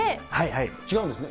違うんですね。